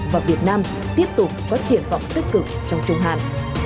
và việt nam tiếp tục có triển vọng tích cực trong trung hạn